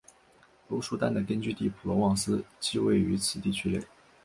欧舒丹的根据地普罗旺斯即位于此地区内。